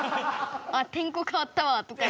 「あ天候かわったわ」とか。